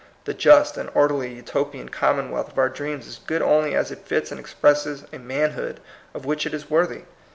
The just and orderly Utopian commonwealth of our dreams is good only as it fits and ex presses a manhood of which it is worthy.